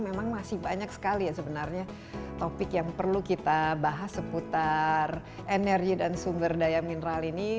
memang masih banyak sekali ya sebenarnya topik yang perlu kita bahas seputar energi dan sumber daya mineral ini